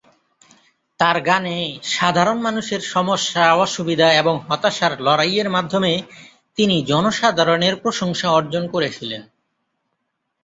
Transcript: তার গানে সাধারণ মানুষের সমস্যা, অসুবিধা এবং হতাশার লড়াইয়ের মাধ্যমে তিনি জনসাধারণের প্রশংসা অর্জন করেছিলেন।